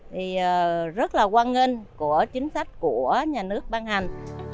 thì rất là quan ngân của chính sách của nhà nước ban hành